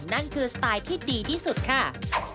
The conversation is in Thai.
นั่นคือสไตล์ที่ดีที่สุดค่ะ